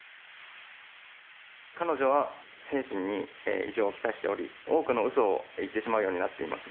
彼女は精神に異常を来しており、多くのうそを言ってしまうようになっています。